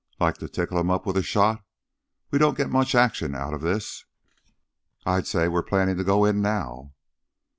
Like to tickle him up with a shot. We don't git much action outta this." "I'd say we're plannin' to go in now."